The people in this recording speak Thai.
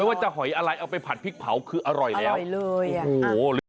ว่าจะหอยอะไรเอาไปผัดพริกเผาคืออร่อยแล้ว